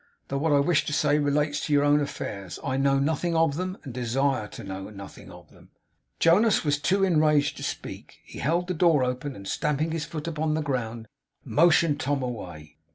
'Though what I wish to say relates to your own affairs, I know nothing of them, and desire to know nothing of them.' Jonas was too enraged to speak. He held the door open; and stamping his foot upon the ground, motioned Tom away.